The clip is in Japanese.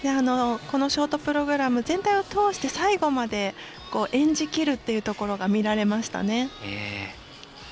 このショートプログラム全体を通して最後まで演じきるっていうところが見られましたね。